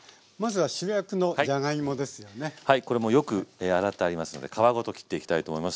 はいこれもうよく洗ってありますので皮ごと切っていきたいと思います。